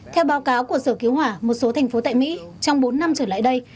theo báo cáo của sở cứu hỏa một số thành phố tại mỹ trong bốn năm trở lại đây